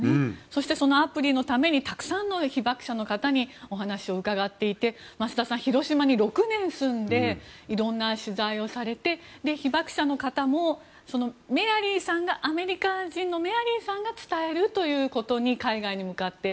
そしてそのアプリのためにたくさんの被爆者の方にお話を伺っていて増田さん、広島に６年住んで色んな取材をされて被爆者の方もアメリカ人のメアリーさんが伝えるということに海外に向かって。